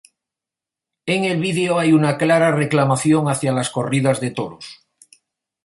En el vídeo hay una clara reclamación hacia las corridas de toros.